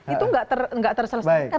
itu nggak terselesaikan